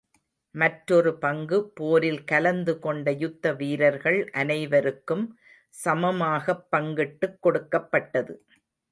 மற்றொரு பங்கு, போரில் கலந்து கொண்ட யுத்த வீரர்கள் அனைவருக்கும் சமமாகப் பங்கிட்டுக் கொடுக்கப் பட்டது.